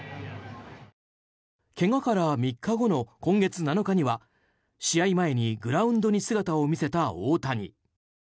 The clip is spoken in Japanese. けがから３日後の今月７日には試合前にグラウンドに姿を見せた大谷。